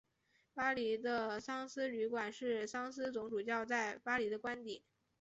巴黎的桑斯旅馆是桑斯总主教在巴黎的官邸。